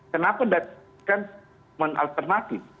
kenapa tidak menalternatif